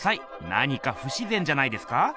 何かふしぜんじゃないですか？